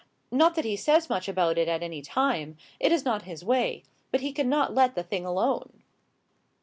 Not that he says much about it at any time: it is not his way. But he cannot let the thing alone."